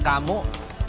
saya mencuri kamu